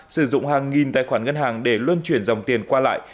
sử dụng hàng nghìn tài khoản ngân hàng để luân chuyển dòng tiền qua lại